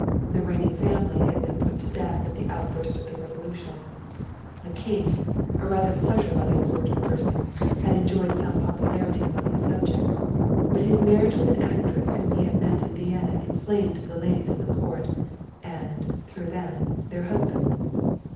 The reigning family had been put to death at the outburst of the revolution. The king, rather a pleasure loving sort of person, had enjoyed some popularity among his subjects, but his marriage with an actress whom he had met in Vienna inflamed the ladies of the court, and, through them, their husbands.